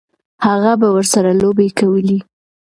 هغه به ورسره لوبې کولې.